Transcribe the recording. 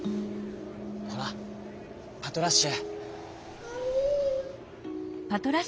ほらパトラッシュ」。